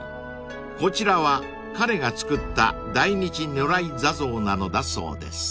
［こちらは彼が作った大日如来坐像なのだそうです］